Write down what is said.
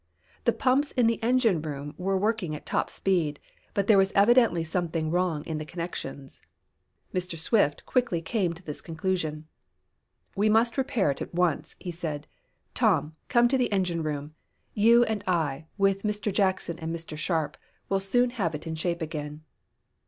The pumps in the engine room were working at top speed, but there was evidently something wrong in the connections. Mr. Swift quickly came to this conclusion. "We must repair it at once," he said. "Tom, come to the engine room. You and I, with Mr. Jackson and Mr. Sharp, will soon have it in shape again."